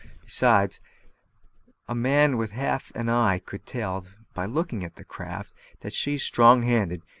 Besides, a man with half an eye could tell by looking at that craft that she's strong handed.